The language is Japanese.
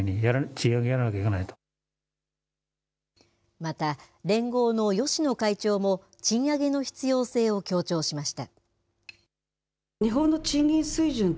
また、連合の芳野会長も、賃上げの必要性を強調しました。